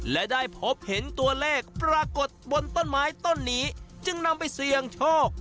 และได้พบเห็นตัวเลขปรากฏบนต้นไม้ต้นนี้จึงนำไปเสี่ยงโชค